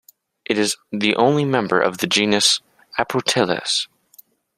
It is the only member of the genus "Aproteles".